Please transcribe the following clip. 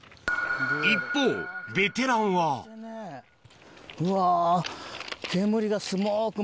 一方ベテランはうわ。